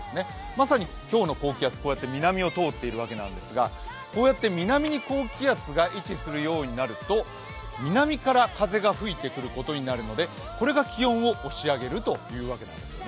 まさに今日の高気圧、南を通るわけですが、こうやって南に高気圧が位置するようになると、南から風が吹いてくることになるのでこれが気温を押し上げるというわけなんです。